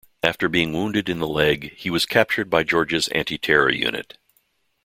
After being wounded in the leg, he was captured by Georgia's anti-terror unit.